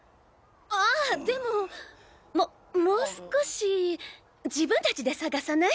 あでもももう少し自分達で探さない？